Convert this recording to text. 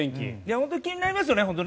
本当に気になりますよね。